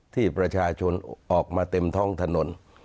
ที่ประชาชนออกมาเต็มท้องถนน